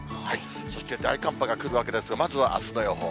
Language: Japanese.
そして大寒波が来るわけですが、まずはあすの予報。